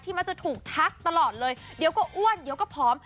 มักจะถูกทักตลอดเลยเดี๋ยวก็อ้วนเดี๋ยวก็ผอม